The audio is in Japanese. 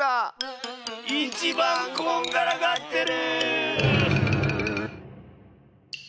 いちばんこんがらがってる！